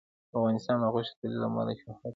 افغانستان د غوښې د تولید له امله شهرت لري.